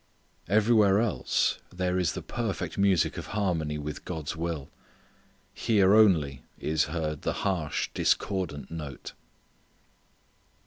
Everywhere else there is the perfect music of harmony with God's will. Here only is heard the harsh discordant note.